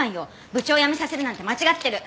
部長を辞めさせるなんて間違ってる。